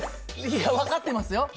いや分かってますよ。